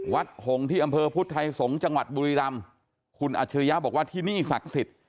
หงที่อำเภอพุทธไทยสงศ์จังหวัดบุรีรำคุณอัจฉริยะบอกว่าที่นี่ศักดิ์สิทธิ์